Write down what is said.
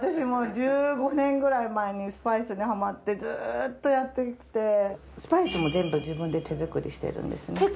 もう１５年くらい前にスパイスにハマってずっとやってきてスパイスも全部自分で手作りしてるんですね。